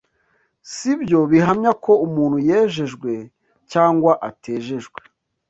sibyo bihamya ko umuntu yejejwe cyangwa atejejwe